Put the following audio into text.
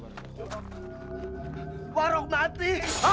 hah warog mati